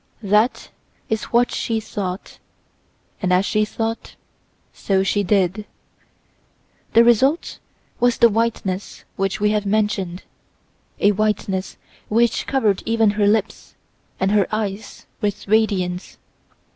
That is what she thought; and as she thought, so she did. The result was the whiteness which we have mentioned—a whiteness which covered even her lips and her eyes with radiance.